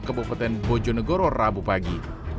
kebobotan bojonegoro rabu pagi